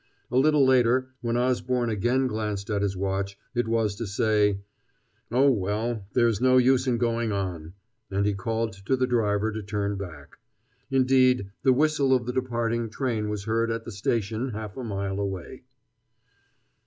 A little later, when Osborne again glanced at his watch, it was to say: "Oh, well, there is no use in going on," and he called to the driver to turn back. Indeed, the whistle of the departing train was heard at the station half a mile away.